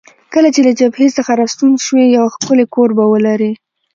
کله چې له جبهې څخه راستون شوې، یو ښکلی کور به ولرې.